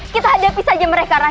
kita hadapi saja mereka